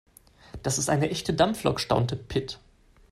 Das ist eine echte Dampflok, staunte Pit.